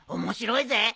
面白いぜ。